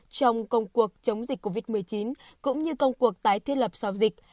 trong công cuộc chống dịch covid một mươi chín cũng như công cuộc tái thiết lập sau dịch